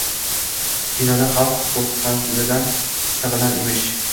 Kinoda xalq qo‘rqqanidan sig‘inar emish